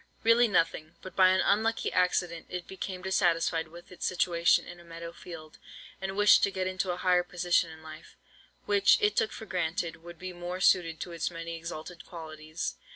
Really nothing; but by an unlucky accident it became dissatisfied with its situation in a meadow field, and wished to get into a higher position in life, which, it took for granted, would be more suited to its many exalted qualities.